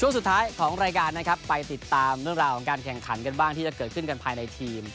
สุดท้ายของรายการนะครับไปติดตามเรื่องราวของการแข่งขันกันบ้างที่จะเกิดขึ้นกันภายในทีม